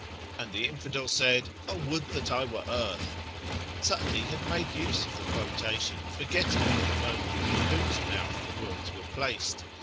(" and the infidel said, ' 0 would that I were earth !'") Sa'di had made use of the quotation, forgetting for the moment in whose mouth the words were placed.